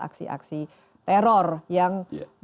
aksi aksi teror yang